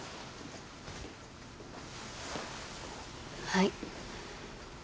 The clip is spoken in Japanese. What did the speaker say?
はい。